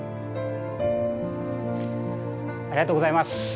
ありがとうございます。